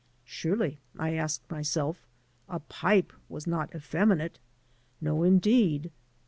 Surely, I asked myself, a pipe was not effeminate? No, indeed.